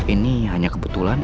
ini hanya kebutuhan